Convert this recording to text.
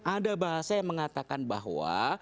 ada bahasa yang mengatakan bahwa